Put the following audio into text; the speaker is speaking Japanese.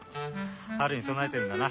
春にそなえてるんだな。